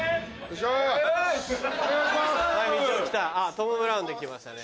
トム・ブラウンで来ましたね。